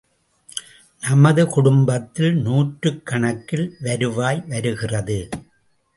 நம் குடும்பத்தில் நூற்றுக் கணக்கில் வருவாய் வருகிறது.